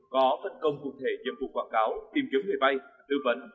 có phân công cụ thể nhiệm vụ quảng cáo tìm kiếm người vay tư vấn